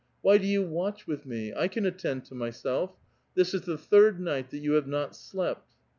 Why do you watch with me ? I can attend to myself. This is the thhd night that you have not slept."